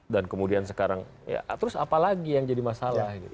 dan kemudian sekarang ya terus apa lagi yang jadi masalah